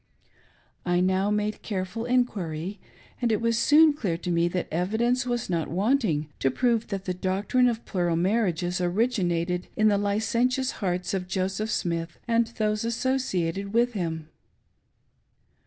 I now made careful en quiry, and it was soon clear to me that evidence was not wanting to prove that the doctrine of plural marriages origin ated in the licentious hearts of Joseph Smith and those asso ciated with him.